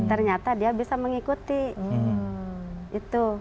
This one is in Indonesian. ternyata dia bisa mengikuti itu